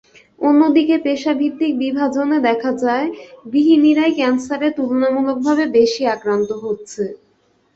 অন্যদিকে পেশাভিত্তিক বিভাজনে দেখা যায়, গৃহিণীরাই ক্যানসারে তুলনামূলকভাবে বেশি আক্রান্ত হচ্ছে।